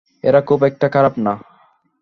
এরা খুব একটা খারাপ না।